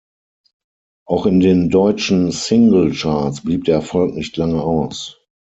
Auch in den Deutschen Single-Charts blieb der Erfolg nicht lange aus.